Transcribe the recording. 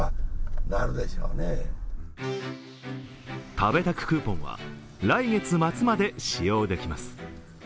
食べタククーポンは来月末まで使用できます。